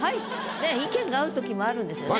ねえ意見が合う時もあるんですよね。